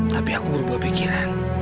tapi aku berubah pikiran